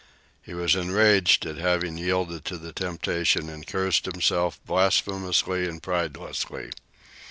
He was enraged at having yielded to the temptation, and berated himself blasphemously and pridelessly.